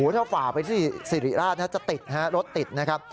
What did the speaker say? ถ้าฝ่าไปที่สิริราชจะติดฮะรถติดนะครับ